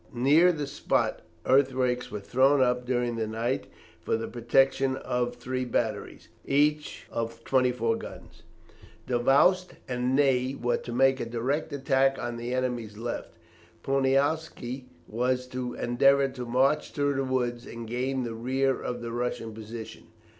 Near the spot, earthworks were thrown up during the night for the protection of three batteries, each of twenty four guns. Davoust and Ney were to make a direct attack on the enemy's left. Poniatowski was to endeavour to march through the woods and gain the rear of the Russian position.